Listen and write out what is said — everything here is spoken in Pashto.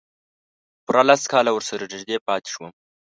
پوره لس کاله ورسره نږدې پاتې شوم.